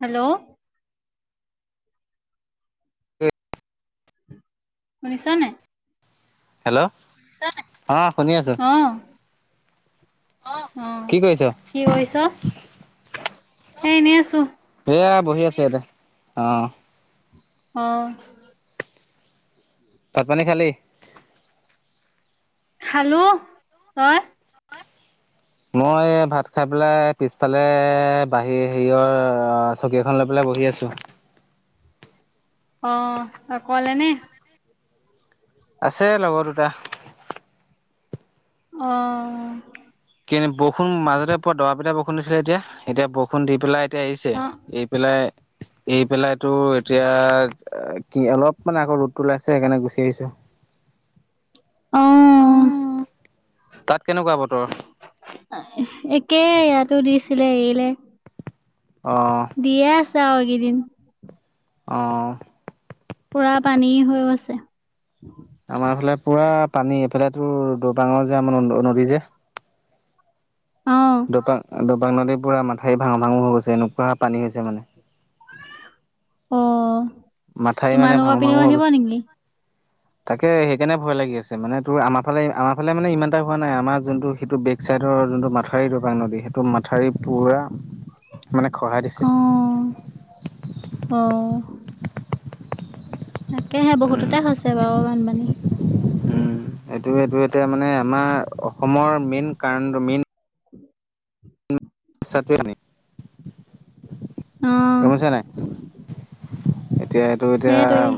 Hello, শুনিছা নাই? Hello, অহ শুনি আছো। অহ, কি কৰিছ কি কৰিছা? এ এনেই আছো। এয়া বহি আছে ইয়াতে অহ। অহ। ভাত পানী খালি? খালো তই? মই ভাত খাই পেলাই পিছফালে বাহী হেৰিয়ৰ অ', চকী এখন লৈ পেলাই বহি আছো। [inaudible] অহ, অকলে নে? আছে লগৰ দুটা। অহ কি বৰষুণ মাজতে পোৱা দবা-পিটা বৰষুণ দিছিলে এতিয়া-এতিয়া বৰষুণ দি পেলাই এতিয়া অ এৰিছে, এই পেলাই, এই পেলাই তো এতিয়া এ কি অলপ মানে আকৌ ৰ'দটো ওলাইছে সেইকাৰণে গুচি আহিছো। অ তাত কেনেকুৱা বতৰ [inaudible] একে ইয়াতো দিছিলে এৰিলে। অহ। চাও এইকেইদিন অহ পুৰা পানী হৈও আছে। আমাৰফালে পুৰা পানী, এইফালে তো দবাঙৰ যে আমাৰ নদী যে। অ দপা- দপাং নদীৰ পুৰা মাথাউৰি ভাঙো-ভাঙো হৈ গৈছে এনেকুৱা পানী হৈছে মানে। অহ, মাথাউৰি মানে তোমালোকৰ ভাঙো ভাঙো পিনেও হৈ আহিব গৈছে। নেকি? তাকে সেইকাৰণে ভয় লাগি আছে মানে তোৰ আমাৰ ফালে-আমাৰ ফালে মানে ইমান এটা হোৱা নাই, আমাৰ যোনটো সেইটো বেক-চাইডৰ যোনটো মাথাউৰি দৰপাং নদী, সেইটো মাথাউৰি পুৰা মানে খহাই দিছে। অহ। তাকেহে উম বহুততে হৈছে বাৰু বানপানী। উম, এইটো ইটো এতিয়া মানে আমাৰ অসমৰ মেইন কাৰণটো মেইন [inaudible] অ [unintelligible] গম পাইছা নাই? এতিয়া, এইটো এতিয়া সেইটোৱেই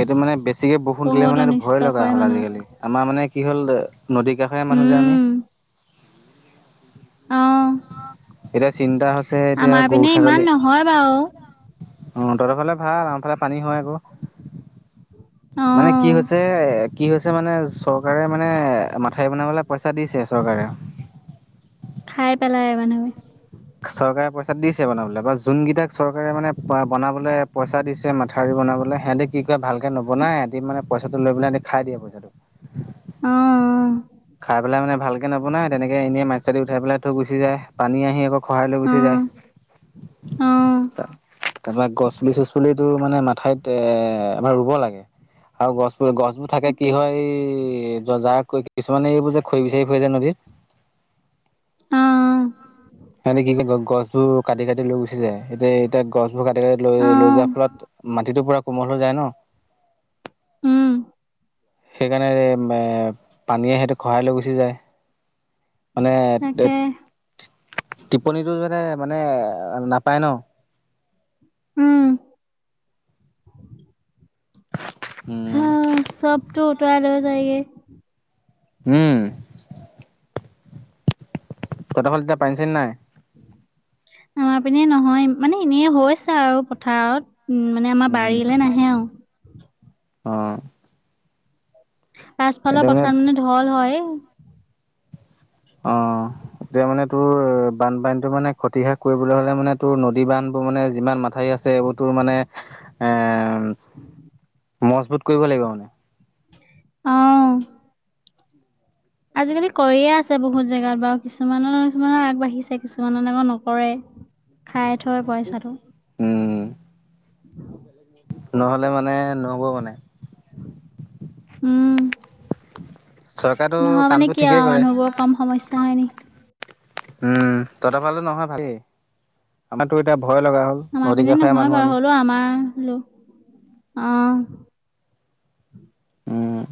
এইটো মানে বেছ বেছিকে বৰষুণ দিলে বহুত মানে এইটো অনিষ্ট ভয় লগা কৰে হ'ল মানুহক আজিকালি আমাৰ মানে কি হ'ল নদী কাষৰিয়া মানুহ যে আমি। উম, অ' এতিয়া চিন্তা হৈছে এতিয়া আমাৰ পিনে ইমান গৰু-ছাগলী নহয় বাৰু। অহ, তহতৰফালে ভাল আমাৰ ফালে পানী হয় আকৌ, মানে কি অ' হৈছে কি হৈছে মানে, চৰকাৰে মানে মাথাউৰি বনাবলৈ পইচা দিছে চৰকাৰে খাই পেলাই মানহে। চৰকাৰে পইচা দিছে বনাবলে বা যোনকেইটাক চৰকাৰে মানে বনাবলে পইচা দিছে মাথাউৰি বনাবলৈ সিহঁতেতি কি কয় ভালকে নবনাই, সহঁতি মানে পইচাটো লৈ পেলাই খাই দিয়ে পইচাটো। অ' খাই পেলাই মানে ভালকৈ নবনাই, তেনেকে এনেই মাটি-চাটি উঠাইপেলাই থৈ গুচি যায়। পানী আহি আকৌ খহাই লৈ গুচি যায়। অ' অ' অ' তাৰপৰা গছ-পুলি চছ পুলি তো মানে মাথাইত এ এবাৰ ৰুব লাগে, আৰু গছ গছবোৰ থাকে কি তাকে হয়, এই য যাৰ কিছুমানে এইবোৰ যে খৰি বিচাৰি ফুৰে যে নদীত। আহ' সিহতি কি কয় গছ গছোৰ কাটি কাটি লৈ গুচি যায়, এতিয়া গছ- বোৰ কাটি-কাটি লৈ লৈ যোৱাৰ অ' ফলত মাটিটো পুৰা কোমল হৈ যায় ন। উম, সেইকাৰণে এ পানীয়ে সৈইটো খহাই লৈ গুচি যায়। মানে' তাকে টিপনীটো যাতে মানে নাপায় ন। উম' উম হা' চবটো উটোৱাই হৈ যায়গে। উম' ত'হত ফালে এতিয়া পানী-চানি নাই? আমাৰ পিনে নহয়, মানে এনেই হৈছে আৰু পথাৰত। উম' মানে আমাৰ বাৰীলৈ নাহে আৰু। অহ পাছফালৰ পথাৰত মানে ঢল হয়। অহ' এতিয়া মানে তোৰ বানপানী তটো মানে ক্ষতি হ্ৰাস কৰিবলৈ হলে মানে তোৰ নদী বান্ধবোৰ মানে যিমান মাথা আছে এইবোৰ তোৰ মানে এ উম মজবুত কৰিব লাগিব মানে অ আজিকালি কৰিয়ে আছে বহুত জেগাত বাৰু কিছুমানৰ কিছুমানৰ আগবাঢ়িছে কিছুমানে আকৌ নকৰে খাই থৈ পইচাটো উম নহলে মানে নহব মানে উম চৰকাৰেতো নহয় মানে কামটো কি ঠিকেই আৰু কৰে মানুহবোৰৰ কম সমস্যা হয় নি উম তহঁতৰ ফালে নহয় ভালেই আমাৰ তো এতিয়া ভয় লগা হ'ল আমাৰ নদী পিনে কাষৰীয়া নহয় মানুহ বাৰু আমি হলেও আমাৰ আহ উম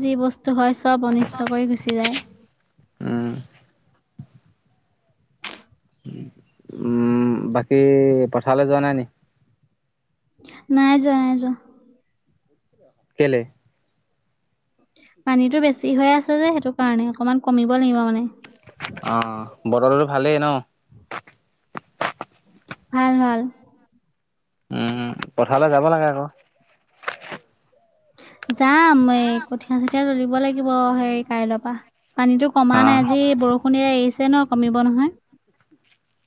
যি বস্তু হয় চব অনিষ্ট কৰি গুচি যায়। উম উম বাকী পথাৰলৈ যোৱা নাই নি নাই যোৱা নাই যোৱা। কেলে পানীতটো বেছি হৈ আছে যে সেইটো কাৰণে অকনমান কমিব লাগিব মানে। অ বতৰতো ভালেই ন ভাল ভাল উম পথাৰলৈ যাব লাগে আক যাম এই কঠীয়া চঠীয়া তোলিব লাগিব সেই কাইলৈৰ পৰা পানীতো কমা অ নাই আজি বৰষুণ এৰিছে ন কমিব নহয়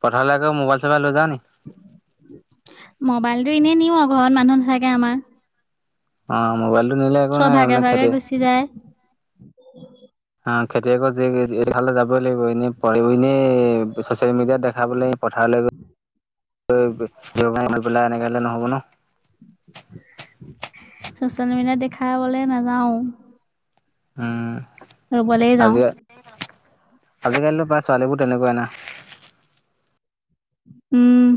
পথাৰলে মোবাইল চোবাইল লৈ যাও নি। মোবাইলতটো এনেই নিও ঘৰত মানুহ নাথাকে আমাৰ। অ মোবাইলটো নিলে একো চব নাই মানে ভাগে ভাগে খেতি গুচি যায়। অ খেতিয়কৰ জীয়েক এইফালে যাবই লাগিব এনেই বহি এনেই চচিয়েল মিডিয়াত দে দে খাবলৈ পথাৰলৈ গৈ পেলাই এনেক হলে নহ'ব ন চচিয়েল মিডিয়াত দেখাবলে নাযাও। উম। ৰুবলে যাওঁ। আজিকালিটো প্ৰায় ছোৱালীবোৰ তেনেকুৱাই না। উম।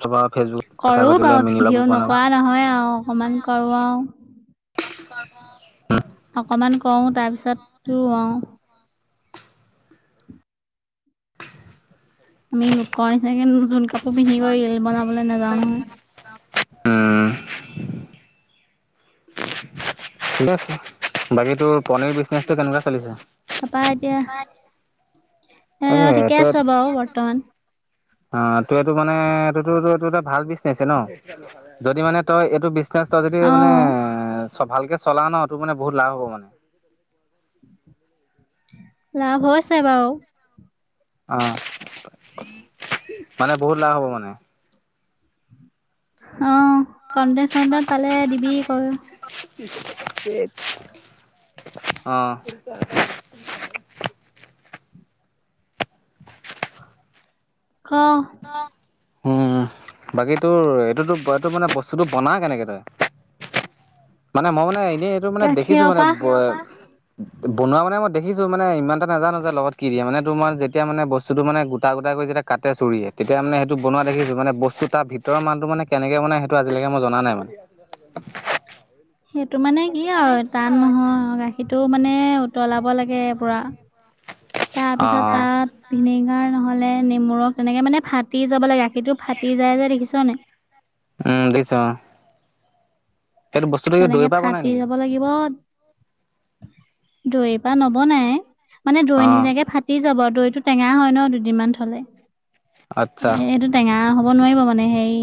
চবৰ ফেচবুক পইচা কৰো ঘটিবলৈ বাৰু মিনি ব্লগ ভিডিঅ' বনাব নকৰা নহয় আও অকমান কৰো আও। [unintelligible] অকমান কৰওঁ তাৰপিছতো অ আমি লোক কৰ নিচিনাকে নতুন কাপোৰ পিন্ধিব ৰিল বনাবলৈ নাযাওঁ নহয়। উম [unintelligible] ঠিক আছে, বাকী তোৰ পনিৰ বিজনেছটো কেনেকুৱা চলিছে? তাৰাপা এতিয়া তাকে এ ঠিকে তই আছে বাৰু বৰ্তমান। অ তই এইটো মানে এই তটো ত এইটো এটা ভাল বিচনেছে ন, যদি মানে তই এইটো [unintelligible] যদি অ মনে এ সব ভালকে চলা ন সেইটো মানে বহুত লাভ হ'ব মানে। লাভ হৈছে বাৰু। অ মানে বহুত লাভ হ'ব মানে। অ খন্তে চন্তত পালে দিবি কৰ অ [unintelligible] ক! উম বাকী তোৰ এইটোতো এইটো মানে বস্তুটো বনা কেনেকে তই? মানে মই মানে এনেই এইটো মানে দেখিছো গাখীৰৰ মানে পৰা ব বনোৱা মানে মই দেখিছো মানে ইমান এ নাজানোয যে লগত কি দিয়ে মানে তোমাৰ যেতিয়া মানে বস্তু বস্তুটো মানে গোটা গোটাকৈ যেতি কাতে চুৰিয় তেতি মানে সেইটো বনোৱা দেখছোঁ মানে বস্তুৰ ভিতৰ মালটো মানে কেনেকে াই সেইটো আজিলকে মই জনা নাই মানে। [unintelligible] সেইটো মানে কি আৰু টান নহয় গাখীৰটো মানে উতলাব লাগে পুৰা। তাৰ অ', পিছত অ', তাত পিনে খাৰ নহলে নেমুৰক তেনেকে মানে ফাটি যাব লাগে। গখীৰটো ফাটি যায় যে দেখিছ নাই? উম দেখিছোঁ অ। সেইটো বস্তুটো কি দৈ তেনেকে পৰা বনাই ফাটি নেকি? যাব লাগিব। দৈৰ পৰা নবনে মানে দৈ অ', নিচিনাকে ফাটি যাব দৈ টো টেঙা হয় ন দুদিনমান থলে। আচ্ছা এ এইটো টেঙা হব নোৱাৰিব মানে হেই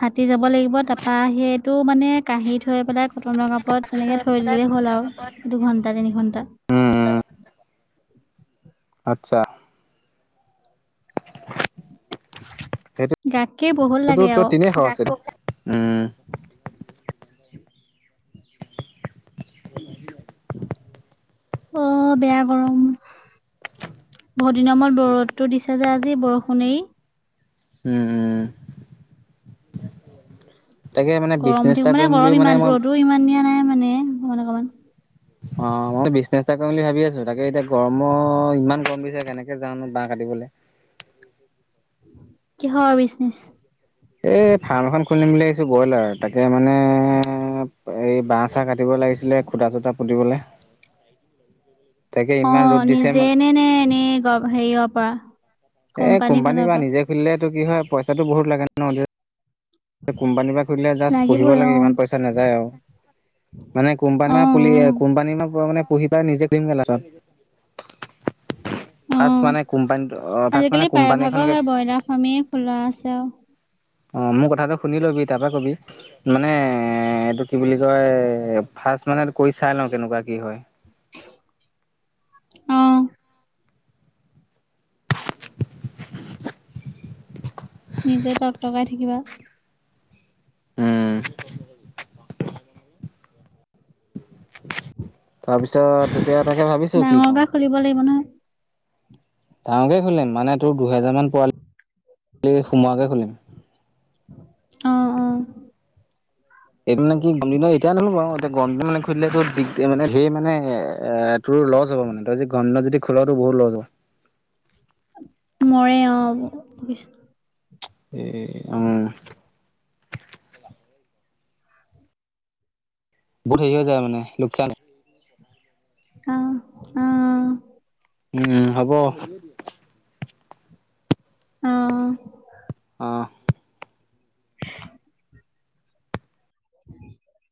ফাতি যাব লাগিব, তাৰপা সেইটো মানে কাঁহী থৈ পেলাই কটনৰ কাপত তেনেকে থৈ দিলেই হ'ল আৰু এই দুঘন্টা তিনি ঘন্টা। উম, [unintelligible] আচ্ছা। সেইটো গাখীৰ বহুত স লাগে [unintelligible] ত আকৌ তিনেই সহজ উম অ বেয়া গৰম। বহুত দিনৰ মূৰত ৰদটো দিছে যে আজি বৰষুণে এৰি। উম উম। তাকে মানে গৰম বিজনেছ এটা উঠিক মানে কৰিম বুলি গৰম ইমান মই ৰ'দো ইমান দিয়া নাই মানে অকমান অকমান। অ মই বিজনেচ এটা কৰিম বুলি ভাবি আছো। তাকে এতিয়া গৰম ইমান গম দিছে কেনেকে যাওঁ জানো বাঁহ কাটিবলে। কিহৰ বিজনেচ? এই ফাৰ্ম এখন খুলিম বুলি ভাবিছো ব্ৰইলাৰ তাকে। এয়া মানে এই বাঁহ চাহ কাটিব লাগিছিলে খুটা চুটা পুতিবলে। তাকে অ ইমান ৰ'দ দিছে নিজে মানে নে নে এনেই হেৰি পৰা? এ কোম্পানীৰ কোম্পানী ফালৰ বা পৰা নিজে খুলিলেতেটো কি হয় পইচাটো বহুত লাগে ন ন, কোম্পানীৰ পৰা খুলিলে জাষ্ট পুহিব লাগিবই অ লাগে ইমান পইচা নাযায় আও। মানে অ কোম্পানী পুলি অ কোম্পানী মা মানে পুহি পাই নিজে পোহিম গে লাচতত [unintelligible] অ ফাৰ্ষ্ট মানে আজিকালি কোম্পানী প্ৰায়ভাগৰ এখনকে হয় ব্ৰইলাৰ ফাৰ্মেই খোলা আছে আৰু অ মোৰ কথাটো শুনি লবি তাৰপা কবি মানে এ এইটো কি বুলি কয় ফাৰ্ষ্ট মানে কৈ চাই লওঁ কেনেকুৱা কি হয় আহ নিজে টকটকাই থাকিবা উম তাৰপিছত এতিয়া তাকে ভাবিছো কি কওঁ ডাঙৰকে খুলিব লাগিব নহয় ডাঙকে খুলিম মানে তোৰ দুহেজাৰ মান পোৱালি সোমোৱাকে খুলিম অহ অহ এই মানে কি গৰম দিনত এয়াই আনিবলৈ বাওঁ এ গৰম দিনত খুলিলে মানে টোৰ মানে এ তোৰ লছ হ'ব মানে তই যে গৰম যদি খোল বহুত লছ হ'ব মৰে অ এ অ বহুত হেৰী হৈ যায় মানে লোকচান আহ আহ উম হব অ অঁ [unintelligible] [unintelligible]